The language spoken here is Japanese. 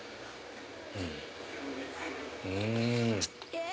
うん！